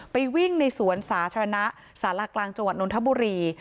วิ่งในสวนสาธารณะศาลากลางจังหวัดนทบุรี